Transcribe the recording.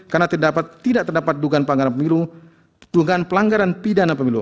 karena tidak terdapat dugaan pelanggaran pemilu